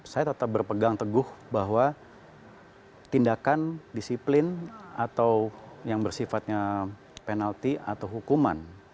saya tetap berpegang teguh bahwa tindakan disiplin atau yang bersifatnya penalti atau hukuman